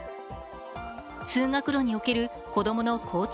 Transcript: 通学路における子供の交通